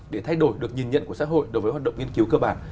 để thay đổi được nhìn nhận của xã hội đối với hoạt động nghiên cứu cơ bản